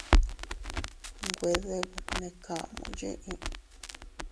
Güe debnekamu yee.